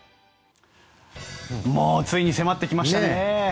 もうついに迫ってきましたね。